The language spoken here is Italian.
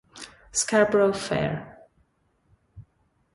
Scarborough Fair